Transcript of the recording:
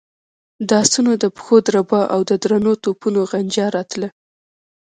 د آسونو د پښو دربا او د درنو توپونو غنجا راتله.